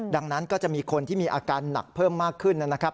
ดังนั้นก็จะมีคนที่มีอาการหนักเพิ่มมากขึ้นนะครับ